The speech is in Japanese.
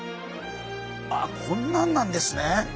ああこんなんなんですね。